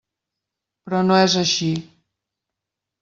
Però no és així.